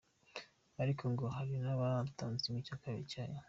Ariko ngo hari n’abatanze ½ cyayo.